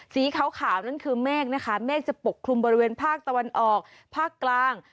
สีขาวนั่นคือเมฆนะคะเมฆจะปกคลุมบริเวณภาคตะวันออกภาคกลาง